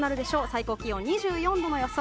最高気温２４度の予想。